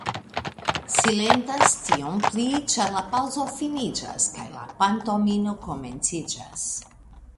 Silentas, tiom pli, ĉar la paŭzo finiĝas kaj la pantomimo komenciĝas.